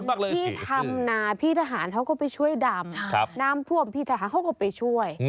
ที่ทำนาพี่ทหารเขาก็ไปช่วยดำน้ำท่วมพี่ทหารเขาก็ไปช่วย